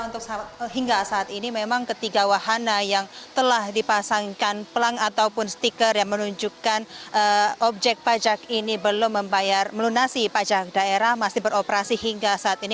untuk hingga saat ini memang ketiga wahana yang telah dipasangkan pelang ataupun stiker yang menunjukkan objek pajak ini belum membayar melunasi pajak daerah masih beroperasi hingga saat ini